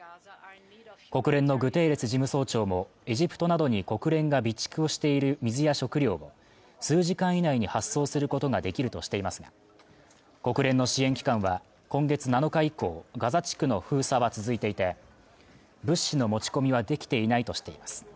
国連のグテーレス事務総長もエジプトなどに国連が備蓄している水や食料を数時間以内に発送することができるとしていますが国連の支援機関は今月７日以降ガザ地区の封鎖は続いていて物資の持ち込みはできていないとしています